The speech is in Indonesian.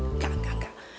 enggak enggak enggak